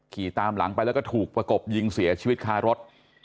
ขี่ตามหลังไปแล้วก็ถูกประกบยิงเสียชีวิตคารถ